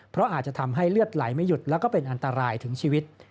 เพราะอาจจะทำให้เลือดไหลไม่หยุดแล้วก็เป็นอันตรายถึงชีวิต